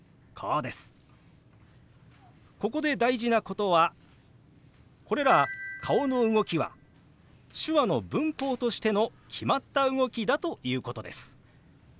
ここで大事なことはこれら顔の動きは手話の文法としての決まった動きだということです。